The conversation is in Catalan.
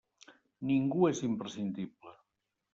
Ningú és imprescindible.